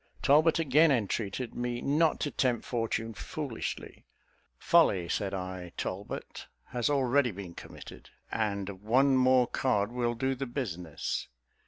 Talbot again entreated me not to tempt fortune foolishly. "Folly," said I, "Talbot, has already been committed; and one more card will do the business.